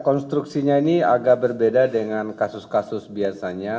konstruksinya ini agak berbeda dengan kasus kasus biasanya